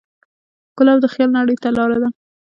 ګلاب د خیال نړۍ ته لاره ده.